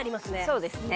そうですね